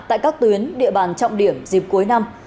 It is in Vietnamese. tại các tuyến địa bàn trọng điểm dịp cuối năm